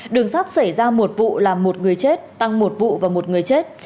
đường sắt xảy ra một vụ làm một người chết tăng một vụ và một người chết